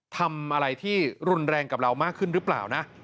ทำอะไรที่รุนแรงกับเรามากขึ้นหรือเปล่านะ